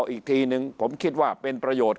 อีกทีนึงผมคิดว่าเป็นประโยชน์